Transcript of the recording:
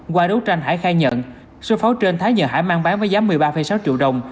qua đấu tranh hải khai nhận số pháo trên thái nhờ hải mang bán với giá một mươi ba sáu triệu đồng